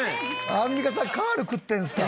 アンミカさんカール食ってんすか？